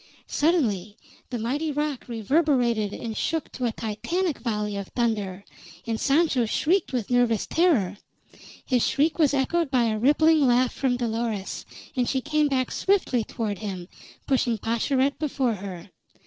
Suddenly the mighty rock reverberated and shook to a Titanic volley of thunder, and Sancho shrieked with nervous terror. His shriek was echoed by a rippling laugh from Dolores, and she came back swiftly toward him, pushing Pascherette before her.